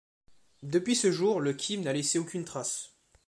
Depuis ce jour, le Kim n'a laissé aucune trace.